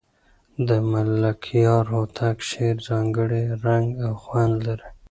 د ملکیار هوتک شعر ځانګړی رنګ او خوند لري.